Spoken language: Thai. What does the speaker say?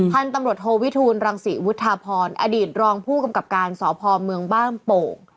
พันธุ์ตำรวจโทวิทูลรังศรีวุฒาพรอดีตรองผู้กำกับการสพเมืองบ้านโป่ง